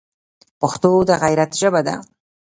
پښتو د غیرت ژبه ده